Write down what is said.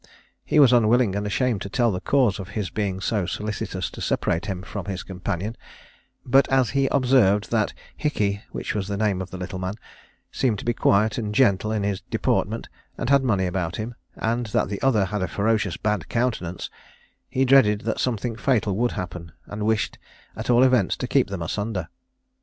He was unwilling and ashamed to tell the cause of his being so solicitous to separate him from his companion; but as he observed that Hickey, which was the name of the little man, seemed to be quiet and gentle in his deportment, and had money about him, and that the other had a ferocious bad countenance, he dreaded that something fatal would happen, and wished, at all events, to keep them asunder.